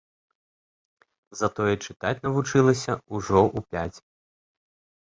Затое чытаць навучылася ўжо ў пяць.